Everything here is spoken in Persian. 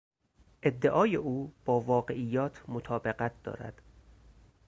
ادعای او با واقعیات مطابقت دارد.